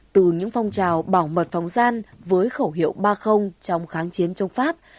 từ những phong trào bảo mật phòng gian với khẩu hiệu ba trong kháng chiến chống pháp